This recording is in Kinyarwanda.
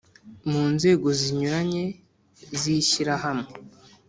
Mu nzego zinyuranye z ishyirahamwe